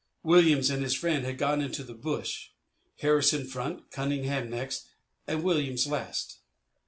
Williams and his friends had gone into the bush, Harris in front, Cunningham next, and Williams last.